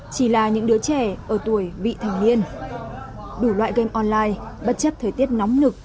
chỉ là những đứa trẻ ở tuổi vị thành niên đủ loại game online bất chấp thời tiết nóng nực